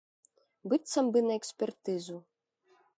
Быццам бы на экспертызу.